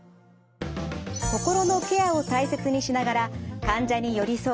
心のケアを大切にしながら患者に寄り添う